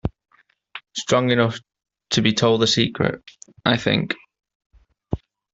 Strong enough to be told a secret, I think?